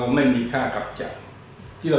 ไม่มีค่ากลับจักร